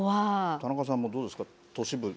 田中さん、どうですか都市部。